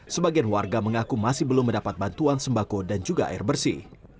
sebagian warga mengaku masih belum mendapat bantuan sembako dan juga air bersih